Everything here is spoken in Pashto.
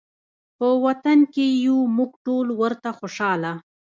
په وطن کې یو مونږ ټول ورته خوشحاله